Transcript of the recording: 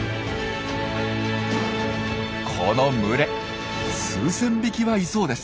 この群れ数千匹はいそうです。